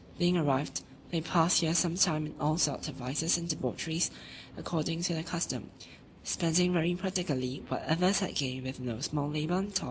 Being arrived, they passed here some time in all sorts of vices and debaucheries, according to their custom; spending very prodigally what others had gained with no small labour and toil.